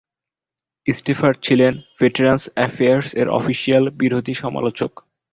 স্টোফার ছিলেন veterans affairs এর official বিরোধী সমালোচক।